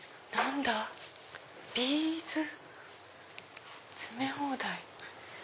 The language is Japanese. ビーズ詰め放題。